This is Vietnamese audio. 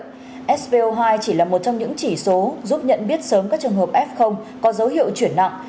tuy nhiên spo hai chỉ là một trong những chỉ số giúp nhận biết sớm các trường hợp f có dấu hiệu chuyển nặng